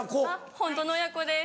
ホントの親子です。